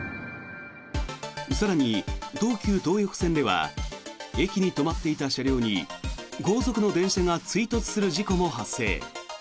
更に、東急東横線では駅に止まっていた車両に後続の電車が追突する事故も発生。